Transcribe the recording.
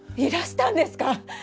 いらしたんですか！？